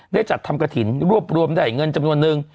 ได้จัดธรรมกฐินรวบรวมได้เงินจำนวนหนึ่ง